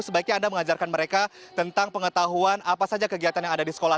sebaiknya anda mengajarkan mereka tentang pengetahuan apa saja kegiatan yang ada di sekolah